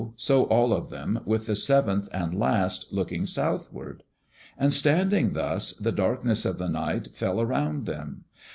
so all of them, with the seventh and last, looking southward. And standing thus, the darkness of the night fell around them.